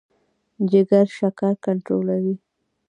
جګر شکر کنټرولوي.